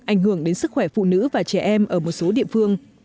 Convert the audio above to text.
ảnh hưởng đến sức khỏe phụ nữ và trẻ em ở một số địa phương